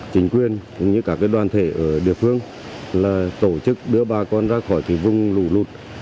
chính quyền như cả đoàn thể ở địa phương là tổ chức đưa bà con ra khỏi vùng lụ lụt